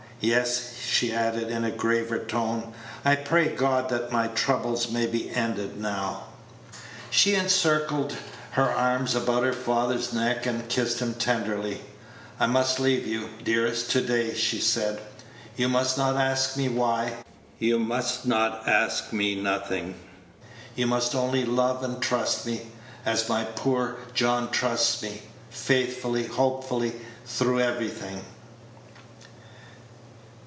Yes," she added, in a graver tone, "I pray God that my troubles may be ended now." She encircled her arms about her father's neck, and kissed him tenderly. "I must leave you, dearest, to day," she said; "you must not ask me why you must ask me nothing. You must only love and trust me as my poor John trusts me faithfully, hopefully, through everything."